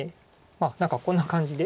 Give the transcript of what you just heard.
何かこんな感じで。